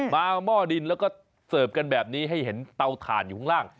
หม้อดินแล้วก็เสิร์ฟกันแบบนี้ให้เห็นเตาถ่านอยู่ข้างล่าง